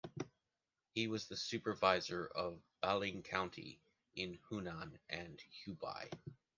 He was the supervisor of Baling County in Hunan and Hubei.